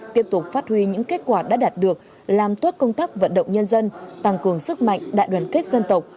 thuy những kết quả đã đạt được làm tốt công tác vận động nhân dân tăng cường sức mạnh đại đoàn kết dân tộc